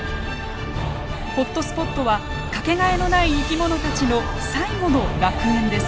ホットスポットは掛けがえのない生き物たちの最後の楽園です。